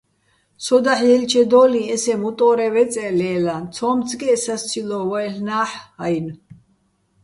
სო დაჰ̦ ჲელჩედო́ლიჼ ესე მუტო́რე ვეწე́ ლე́ლაჼ, ცო́მცგეჸ სასცილო́ ვაჲლ'ნა́ჰ̦-ა́ჲნო̆.